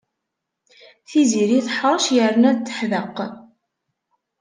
Tiziri teḥṛec yerna d teḥdeq.